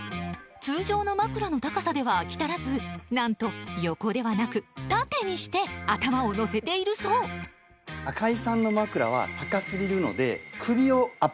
通常の枕の高さでは飽き足らずなんと横ではなく縦にして頭をのせているそう赤井さんの枕は。